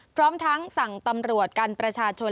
พร้อมทั้งสั่งตำรวจกันประชาชน